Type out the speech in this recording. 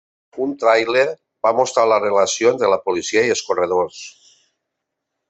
Un tràiler va mostrar la relació entre la policia i els corredors.